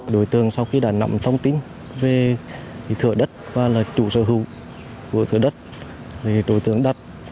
đối tượng sau khi đã nộm thông tin về thửa đất và là chủ sở hữu của thửa đất